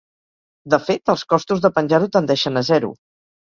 De fet, els costos de penjar-ho tendeixen a zero.